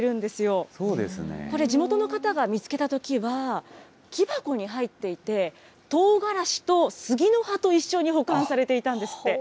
これ、地元の方が見つけたときには、木箱に入っていて、とうがらしと杉の葉と一緒に保管されていたんですって。